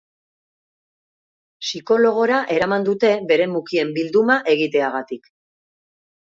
Psikologora eraman dute bere mukien bilduma egiteagatik.